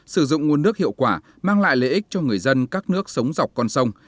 sử dụng nguồn nước hiệu quả mang lại lợi ích cho người dân các nước sống dọc con sông